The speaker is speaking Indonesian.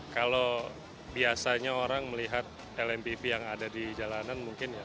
kalau biasanya orang melihat lmpv yang ada di jalanan mungkin ya